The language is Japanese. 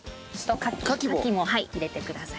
カキも入れてください。